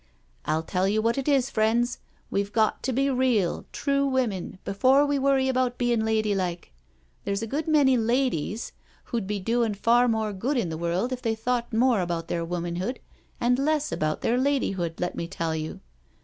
I'll tell you what it is, friends, we've got to be real, true women before we worry about bein' ladylike. There's a good many ladies who'd be doin' far more good in the world if they thought more about their womanhood and less about their ladyhood, let me tell you.